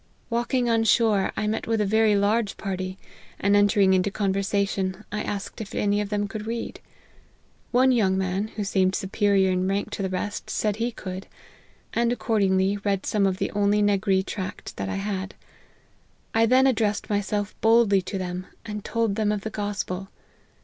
Walking on shore, I met with a very large party ; and entering into conversation, I asked if any of them could read. One young man, who seemed superior in rank to the rest, said he could, and accordingly read some of the only N agree tract that I had. I then addressed myself boldly to them, and told them of the gospel.